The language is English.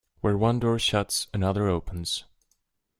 Where one door shuts, another opens.